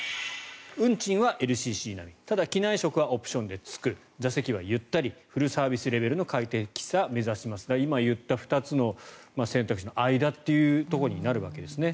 運賃はＬＣＣ並みただ、機内食はオプションでつく座席はゆったりフルサービス並みの快適さを目指す今言った、２つの選択肢の間というところになるわけですね。